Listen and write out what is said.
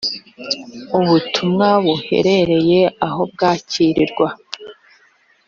ubutumwa buhereye aho bwakirirwa